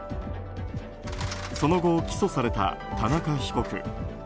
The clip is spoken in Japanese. その後、起訴された田中被告。